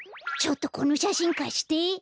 ちょっとこのしゃしんかして？